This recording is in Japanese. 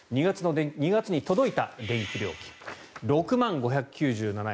２月に届いた電気料金６万５９７円。